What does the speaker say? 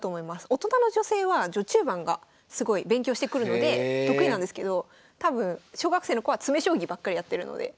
大人の女性は序中盤がすごい勉強してくるので得意なんですけど多分小学生の子は詰将棋ばっかりやってるので。